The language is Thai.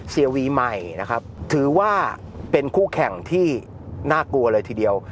เสียวีใหม่นะครับถือว่าเป็นคู่แข่งที่น่ากลัวเลยทีเดียว